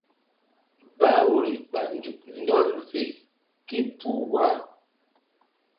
Bah woyri ɓa nzuk ɗɔl fe képuh wah.